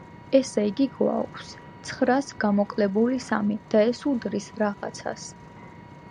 ესე იგი, გვაქვს ცხრას გამოკლებული სამი და ეს უდრის „რაღაცას“.